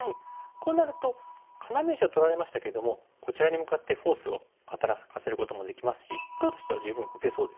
こうなると要石は取られましたけどもこちらに向かってフォースを働かせることもできますし黒としては十分打てそうですよね。